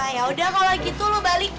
ya udah kalau gitu lu balik